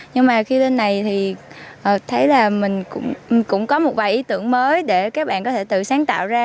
nhưng mà khi bên này thì thấy là mình cũng có một vài ý tưởng mới để các bạn có thể tự sáng tạo ra